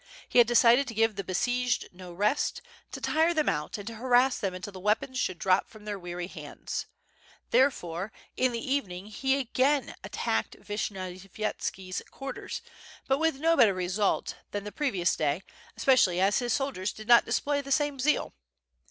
He had decided to give the besieged no rest, to tire them out, and to harass them until the weapons should drop from their weary hands. Therefore in the evening he again attacked Vish WITH FIRE AND SWORD, 725 nyovyetski's quarters, but with no better result than on the previous day, especially as his soldiers did not display the same zeal.